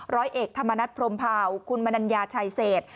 ร้อยเอกธรรมนัฐพรมเผาคุณมนัญญาชัยเศษ